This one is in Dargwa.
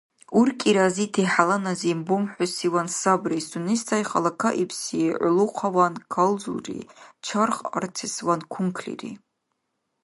УркӀи разити хӀяланазиб бумхӀусиван сабри, сунес сай халакаибси гӀулухъаван калзулри, чарх арцесван кунклири.